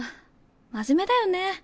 真面目だよね。